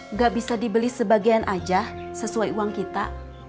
nggak bisa dibeli sebagian aja sesuai uang kita